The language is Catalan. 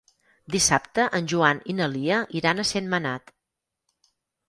Dissabte en Joan i na Lia iran a Sentmenat.